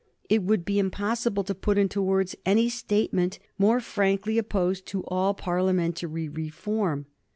It would be impossible to put into words any statement more frankly opposed to all Parliamentary reform.